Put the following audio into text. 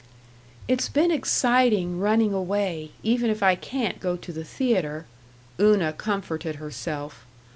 "It's been exciting, running away, even if I can't go to the theater," Una comforted herself.